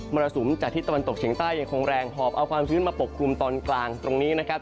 รสุมจากที่ตะวันตกเฉียงใต้ยังคงแรงหอบเอาความชื้นมาปกคลุมตอนกลางตรงนี้นะครับ